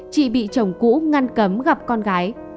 chị bị chồng cũ ngăn cấm gặp con gái